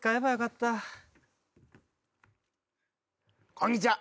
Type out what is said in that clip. こんにちは。